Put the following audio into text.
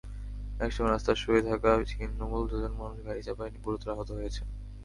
এসময় রাস্তায় শুয়ে থাকা ছিন্নমূল দুজন মানুষ গাড়ির চাপায় গুরুতর আহত হয়েছেন।